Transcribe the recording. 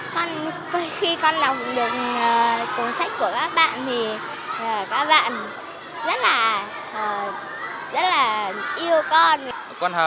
khi con đọc được cuốn sách của các bạn thì các bạn rất là yêu con